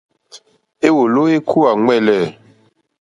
Éwòló ékúwà ɱwɛ̂lɛ̂.